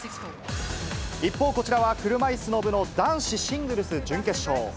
一方、こちらは車いすの部の男子シングルス準決勝。